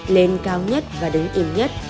lên cao nhất và đứng im nhất